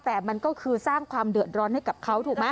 แต่มันก็คือสร้างความเดือดร้อนให้กับเขาถูกไหม